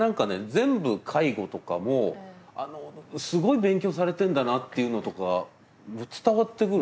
全部介護とかもすごい勉強されてんだなっていうのとか伝わってくる。